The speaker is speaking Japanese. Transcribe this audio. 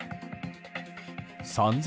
３０００